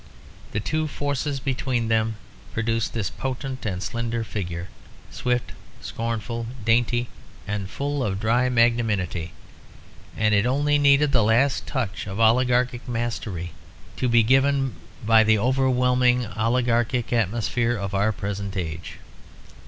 The two forces between them produced this potent and slender figure, swift, scornful, dainty and full of dry magnanimity; and it only needed the last touch of oligarchic mastery to be given by the overwhelming oligarchic atmosphere of our present age.